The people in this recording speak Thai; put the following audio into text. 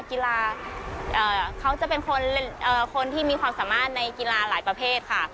กีฬาเขาจะเป็นคนที่มีความสามารถในกีฬาหลายประเภทค่ะ